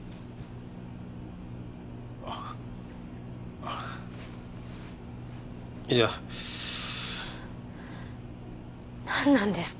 あっあっいや何なんですか？